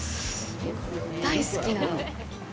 大好きなの！